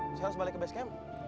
saya harus balik ke base camp